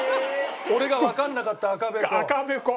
俺がわからなかった赤べこ。